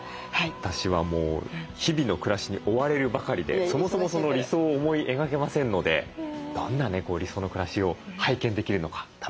私はもう日々の暮らしに追われるばかりでそもそも理想を思い描けませんのでどんなね理想の暮らしを拝見できるのか楽しみですね。